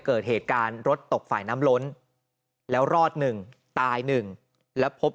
เกิดเหตุการณ์รถตกฝ่ายน้ำล้นแล้วรอดหนึ่งตายหนึ่งแล้วพบ